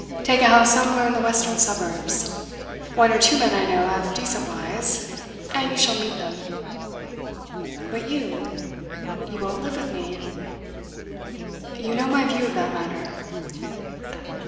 Take a house somewhere in the western suburbs. One or two men I know have decent wives, and you shall meet them.' 'But you? You won't live with me?' 'You know my view of that matter.